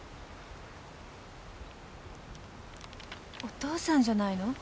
お父さんじゃないの？